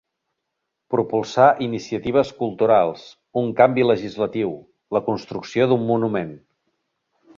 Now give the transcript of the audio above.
Propulsar iniciatives culturals, un canvi legislatiu, la construcció d'un monument.